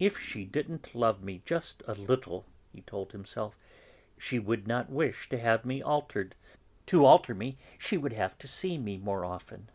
"If she didn't love me, just a little," he told himself, "she would not wish to have me altered. To alter me, she will have to see me more often."